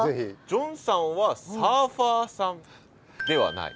ジョンさんはサーファーさんではない？